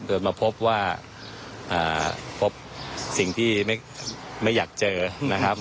โดยมาพบว่าพบสิ่งที่ไม่อยากเจอนะครับ